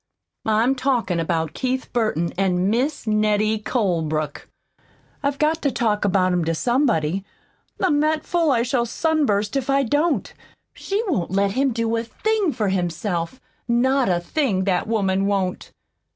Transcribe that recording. "I'm talkin' about Keith Burton an' Mis' Nettie Colebrook. I've GOT to talk about 'em to somebody. I'm that full I shall sunburst if I don't. She won't let him do a thing for himself not a thing, that woman won't!"